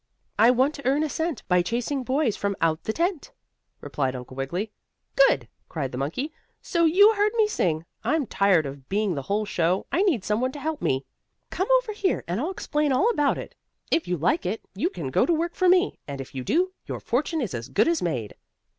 "I want to earn a cent, by chasing boys from out the tent," replied Uncle Wiggily. "Good!" cried the monkey. "So you heard me sing? I'm tired of being the whole show. I need some one to help me. Come over here and I'll explain all about it. If you like it, you can go to work for me, and if you do, your fortune is as good as made."